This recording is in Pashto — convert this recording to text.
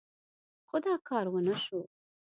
خو دا کار ونه شو.